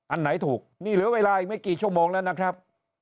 อันไหนถูกนี่เหลือเวลาอีกไม่กี่ชั่วโมงแล้วนะครับ